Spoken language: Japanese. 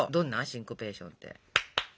シンコペーションって？